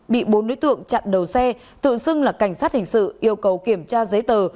bị bốn đối tượng chặn đầu xe tự xưng là cảnh sát hình sự yêu cầu kiểm tra giấy tờ